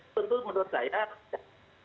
bentuk itu menurut saya ada